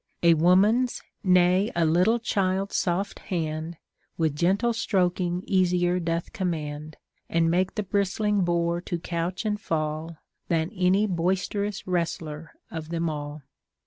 A woman's, nay a little child's soft hand, With gentle stroking easier doth command, And make the bristling boar to couch and fall. Than any boisterous wrestler of them all.